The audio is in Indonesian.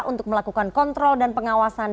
untuk melakukan kontrol dan pengawasan